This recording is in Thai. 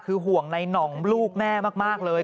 คือห่วงในหน่องลูกแม่มากเลย